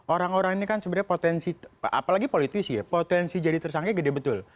orang orang ini kan sebenarnya potensi apalagi politisi ya potensi jadi tersangka gede betul